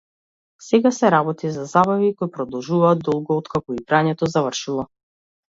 Сега се работи за забави кои продолжуваат долго откако играњето завршило.